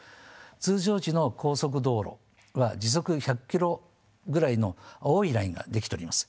通常時の高速道路は時速１００ｋｍぐらいの青いラインが出来ております。